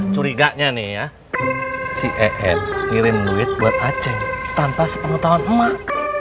curiganya nih si em ngirim duit buat acing tanpa sepengertawan emak